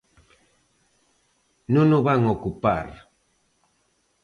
Non o van ocupar.